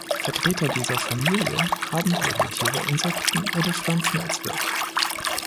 Vertreter dieser Familie haben Wirbeltiere, Insekten oder Pflanzen als Wirt.